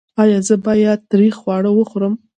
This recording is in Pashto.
ایا زه باید تریخ خواړه وخورم؟